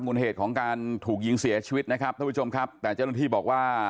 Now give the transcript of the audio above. นเหตุของการถูกยิงเสียชีวิตนะครับท่านผู้ชมครับแต่เจ้าหน้าที่บอกว่า